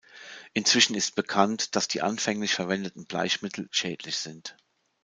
Inzwischen ist bekannt, dass die anfänglich verwendeten Bleichmittel schädlich sind.